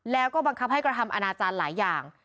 แล้วก็บังคับให้กระทำอนาจารย์หลายอย่าง